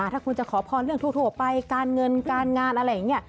ถ้าคุณจะขอพรเรื่องทั่วไปการเงินการงานอะไรอย่างนี้